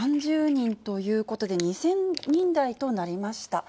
２６３０人ということで、２０００人台となりました。